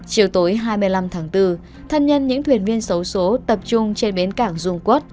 chiều tối hai mươi năm tháng bốn thân nhân những thuyền viên xấu xố tập trung trên bến cảng dung quốc